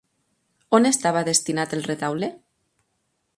On estava destinat el retaule?